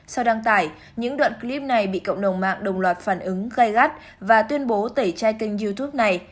sau đăng tải những đoạn clip này bị cộng đồng mạng đồng loạt phản ứng gai gắt và tuyên bố tẩy chai kênh youtube này